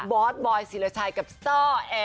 บอสบอยศิราชัยกับซ่อแอนอรดีอ่า